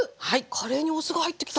カレーにお酢が入ってきた。